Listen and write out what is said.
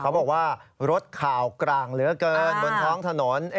เขาบอกว่ารถข่าวกลางเหลือเกินบนท้องถนน